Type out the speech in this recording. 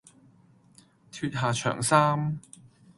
脫下長衫，